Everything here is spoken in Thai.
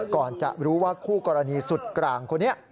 ก่อนจะรู้ว่าคู่กรณีสุดกลางคนนี้